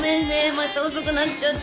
また遅くなっちゃった。